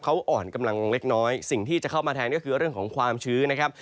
เขาอ่อนกำลังลงเล็กน้อยสิ่งที่จะเข้ามาแทนก็คือเรื่องของความชื้นนะครับ